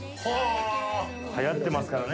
流行ってますからね